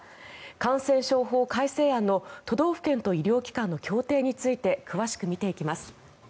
感染症法改正案の都道府県と医療機関の協定について詳しく見ていきます。